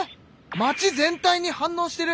町全体に反応してる！